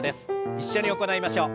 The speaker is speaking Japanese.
一緒に行いましょう。